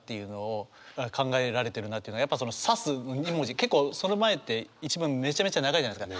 結構その前って一文めちゃめちゃ長いじゃないですか。